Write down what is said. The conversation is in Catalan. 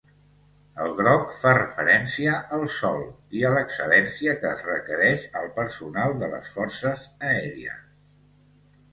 El groc fa referència al sol i a l'excel·lència que es requereix al personal de les forces aèries.